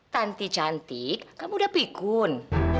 tanti cantik kamu udah pikun